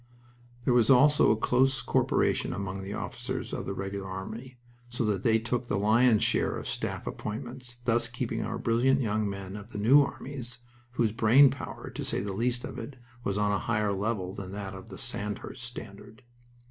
There was also a close corporation among the officers of the Regular Army, so that they took the lion's share of staff appointments, thus keeping out brilliant young men of the new armies, whose brain power, to say the least of it, was on a higher level than that of the Sandhurst standard.